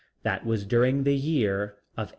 That was during the year of 1881.